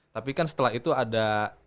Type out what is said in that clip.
tapi kan setelah itu ada